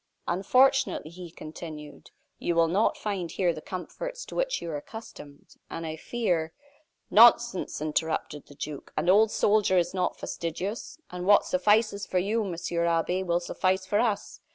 "Unfortunately," he continued, "you will not find here the comforts to which you are accustomed, and I fear " "Nonsense!" interrupted the duke. "An old soldier is not fastidious, and what suffices for you, Monsieur Abbe, will suffice for us.